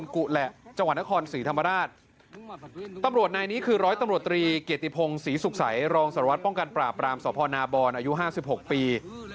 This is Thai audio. คือร้อยตำรวจตรีเกียรติพงศ์ศรีสุขสัยรองสารวัติป้องกันปราบปรามสนบอลอายุ๕๖ปี